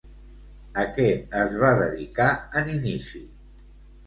A què es va dedicar en inici?